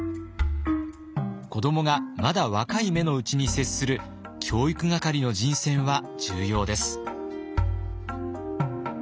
子どもがまだ若い芽のうちに接する教育係の人選は重要です。